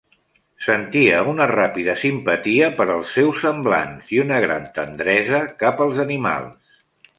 Sentia una ràpida simpatia per als seus semblants i una gran tendresa cap als animals.